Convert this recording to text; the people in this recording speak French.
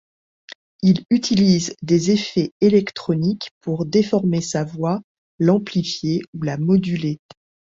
Il utilise des effets électroniques pour déformer sa voix, l'amplifier ou la moduler.